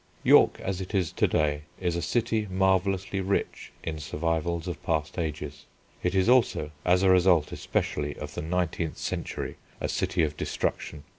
York, as it is to day, is a city marvellously rich in survivals of past ages. It is also, as a result especially of the nineteenth century, a city of destruction.